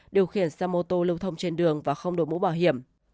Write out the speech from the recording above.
điều khiển xe mô tô lưu thông trên đường và không đổi mũ bảo hiểm